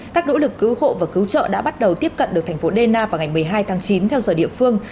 các nỗ lực cứu hộ và cứu trợ đã bắt đầu tiếp cận được thành phố dena vào ngày một mươi hai tháng chín theo giờ địa phương